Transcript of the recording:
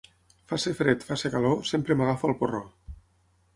Faci fred, faci calor, sempre m'agafo al porró.